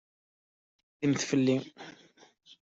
Tettnadimt fell-i.